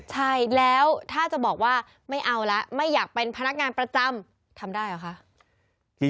ใช่แล้วถ้าจะบอกว่าไม่เอาละไม่อยากเป็นพนักงานประจำทำได้เหรอคะ